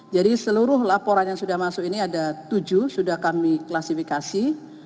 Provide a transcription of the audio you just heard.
jadi seluruh laporan yang sudah masuk ini ada tujuh sudah kami klasifikasi